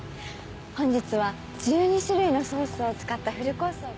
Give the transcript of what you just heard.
本日は１２種類のソースを使ったフルコースを。